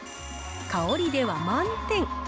香りでは満点。